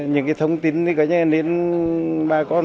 những cái thông tin bà con đến đọc và xem những cái thông tin trình thống